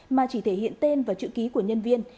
mà chỉ thể hiện tên và chữ ký của nhân viên